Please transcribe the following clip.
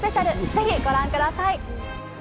ぜひご覧ください。